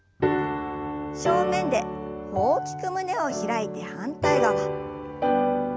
正面で大きく胸を開いて反対側。